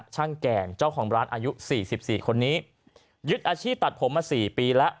ช่างแก่นเจ้าของร้านอายุสี่สิบสี่คนนี้ยึดอาชีพตัดผมมาสี่ปีแล้ว